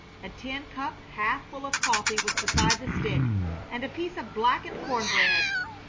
A tin cup half full of coffee was beside the stick, and a piece of blackened corn bread.